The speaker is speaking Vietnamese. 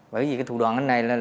bởi vì thủ đoàn anh này